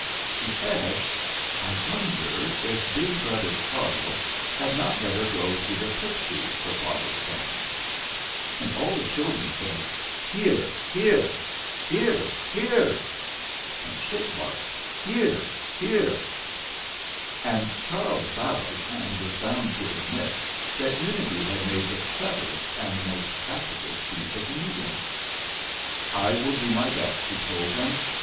She said: "I wonder if big brother Charles had not better go to the Pixies for father's present." And all the children said: "Hear, hear! Hear, hear!" And Ship barked "Hear, hear !" And Charles bowed and was bound to admit that Unity had made the cleverest and most practical speech at the meeting. "I will do my best," he told them.